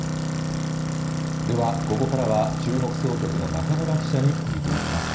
では、ここからは中国総局の中村記者に聞いていきます。